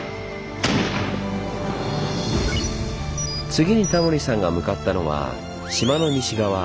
次にタモリさんが向かったのは島の西側。